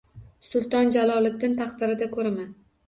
Sulton Jaloliddin taqdirida ko‘raman.